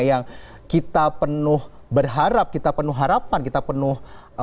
yang kita penuh berharap kita penuh harapan kita penuh